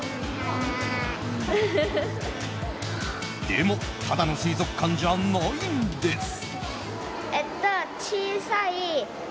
でも、ただの水族館じゃないんです。